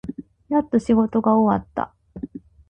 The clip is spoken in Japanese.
やっと仕事が終わった。